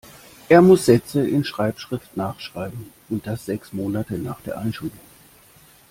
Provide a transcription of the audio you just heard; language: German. Er muss Sätze in Schreibschrift nachschreiben. Und das sechs Monate nach der Einschulung.